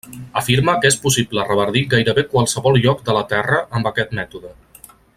Afirma que és possible reverdir gairebé qualsevol lloc de la Terra amb aquest mètode.